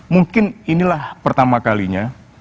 mungkin inilah pertama kalinya